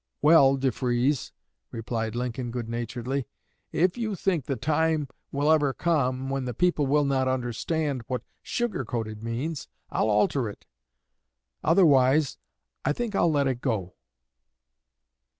"Well, Defrees," replied Lincoln, good naturedly, "if you think the time will ever come when the people will not understand what 'sugar coated' means, I'll alter it; otherwise, I think I'll let it go."